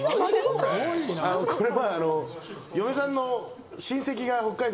これは。